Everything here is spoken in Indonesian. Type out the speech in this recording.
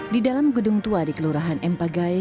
di dalam gedung tua di kelurahan empagai